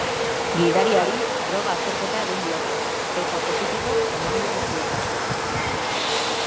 Gidariari droga azterketa egin diote, eta positibo eman du guztietan.